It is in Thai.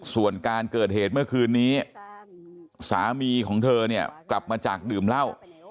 ส่วนการเกิดเหตุเมื่อคืนนี้สามีของเธอเนี่ยกลับมาจากดื่มเหล้า